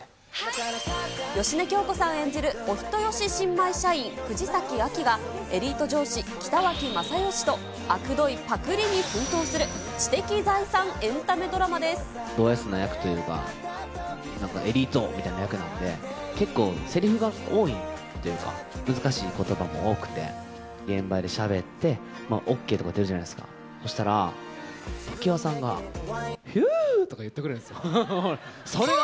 芳根京子さん演じる、お人よし新米社員、藤崎亜季が、エリート上司、北脇雅美とあくどいパクリに奮闘する、知的財産エンタメドラマでドＳな役といえば、なんかエリートみたいな役なので、結構せりふが多いというか、難しいことばが多くて、現場でしゃべって、ＯＫとか出るじゃないですか、そしたら、常盤さんがひゅーっとか言ってくるんですよ。